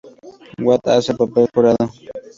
Watt hace el papel de jurado.